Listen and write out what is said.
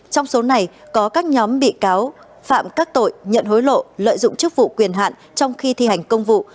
trong số này có các nhóm bị cáo phạm các tội nhận hối lộ lợi dụng chức vụ quyền hạn trong khi thi hành công vụ